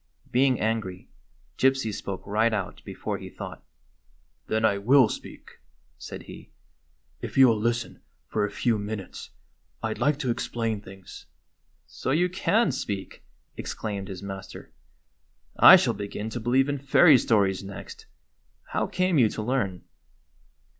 Being angry, Gypsy spoke right out before he thought :" Then I will speak," said lie. " If you will listen for a few minutes, I 'd like to explain things." "So you can speak!" exclaimed his master. "I shall begin to believe in fairy stories next. How came you to learn